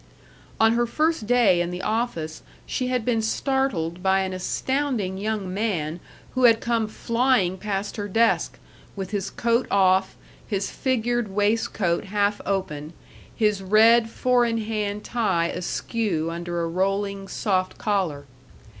On her first day in the office she had been startled by an astounding young man who had come flying past her desk, with his coat off, his figured waistcoat half open, his red four in hand tie askew under a rolling soft collar.